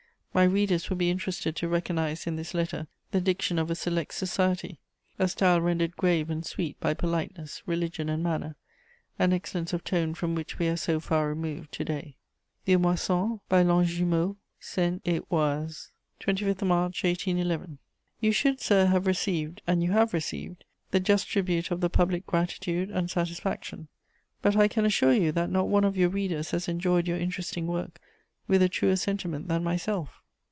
My readers will be interested to recognise in this letter the diction of a select society, a style rendered grave and sweet by politeness, religion and manner: an excellence of tone from which we are so far removed to day. "VILLEMOISSON, BY LONJUMEAU (SEINE ET OISE), "25 March 1811. "You should, Sir, have received, and you have received, the just tribute of the public gratitude and satisfaction; but I can assure you that not one of your readers has enjoyed your interesting work with a truer sentiment than myself.